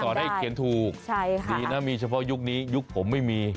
ให้เขียนถูกดีนะมีเฉพาะยุคนี้ยุคผมไม่มี